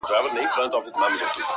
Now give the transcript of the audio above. چي خبري دي ترخې لګېږي ډېري-